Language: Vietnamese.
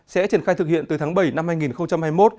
sẽ triển khai thực hiện từ tháng bảy năm hai nghìn hai mươi một